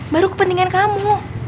baru kepentingan kamu